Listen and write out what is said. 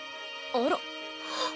あら。